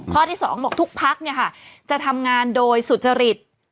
ข้อที่สองบอกทุกภักดิ์เนี่ยค่ะจะทำงานโดยสุจริต